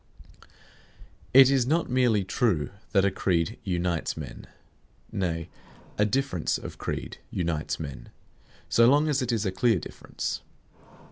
It is not merely true that a creed unites men. Nay, a difference of creed unites men so long as it is a clear difference.